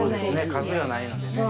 数がないのでね。